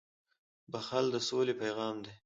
• بښل د سولې پیغام دی.